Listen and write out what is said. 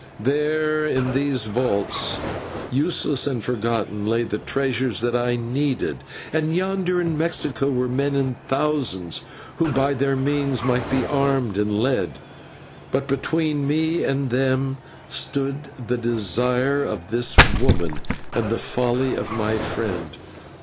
There in those vaults, useless and forgotten, lay the treasures that I needed, and yonder in Mexico were men in thousands who by their means might be armed and led; but between me and them stood the desire of this woman and the folly of my friend.